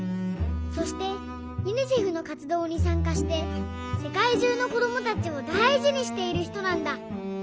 そしてユニセフのかつどうにさんかしてせかいじゅうのこどもたちをだいじにしているひとなんだ。